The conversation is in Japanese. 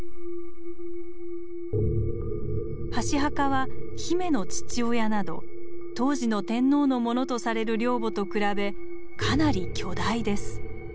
箸墓はヒメの父親など当時の天皇のものとされる陵墓と比べかなり巨大です。